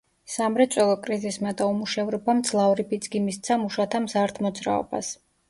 სამრეწველო კრიზისმა და უმუშევრობამ მძლავრი ბიძგი მისცა მუშათა მზარდ მოძრაობას.